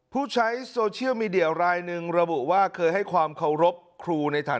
ผู้ใช้โซเชียลมีเดียรายหนึ่งระบุว่าเคยให้ความเคารพครูในฐาน